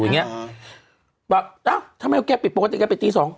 เอ้าทำไมแกว่าไปปิดปกติไปตีสอง